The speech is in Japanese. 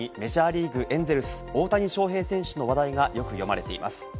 ご覧のようにメジャーリーグ・エンゼルス、大谷翔平選手の話題がよく読まれています。